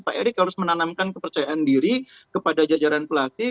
pak erick harus menanamkan kepercayaan diri kepada jajaran pelatih